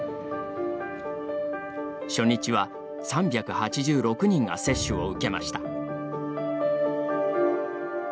初日は３８６人が接種を受けました。